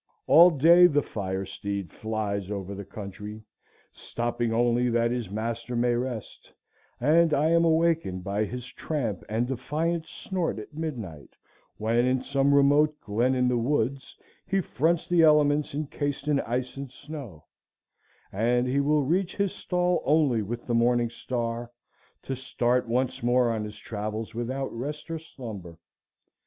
All day the fire steed flies over the country, stopping only that his master may rest, and I am awakened by his tramp and defiant snort at midnight, when in some remote glen in the woods he fronts the elements incased in ice and snow; and he will reach his stall only with the morning star, to start once more on his travels without rest or slumber.